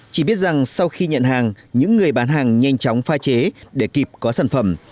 chỉ biết rằng sau khi nhận hàng những người bán hàng nhanh chóng pha chế để kịp có sản phẩm